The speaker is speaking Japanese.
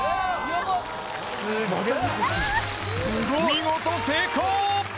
見事成功！